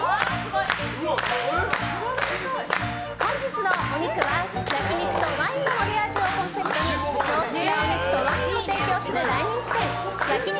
本日のお肉は焼き肉とワインのマリアージュをコンセプトに上質なお肉とワインを提供する大人気店焼肉